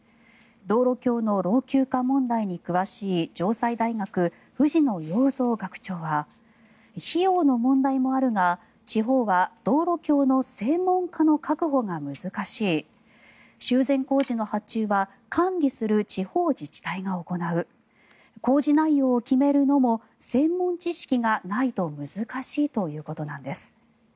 道路橋の老朽化問題に詳しい城西大学、藤野陽三学長は費用の問題もあるが地方は道路橋の専門家の確保が難しい修繕工事の発注は管理する地方自治体が行う工事内容を決めるのも専門知識がないと難しいということなんです。